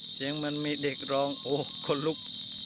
เสียงมันมีเด็กร้องโอ้คนลุก